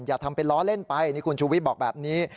อย่าทำเป็นล้อเล่นไปนี่คุณชูวิทย์บอกแบบนี้